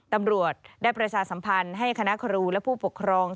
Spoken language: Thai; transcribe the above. ตำรวจได้ประชาสัมพันธ์ให้คณะครูและผู้ปกครอง